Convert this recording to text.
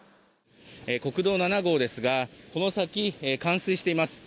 国道７号ですがこの先、冠水しています。